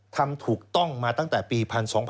ทำถูกต้องมาตั้งแต่ปี๑๒๕๖๒